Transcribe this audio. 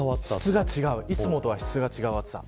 いつもとは質が違う暑さ。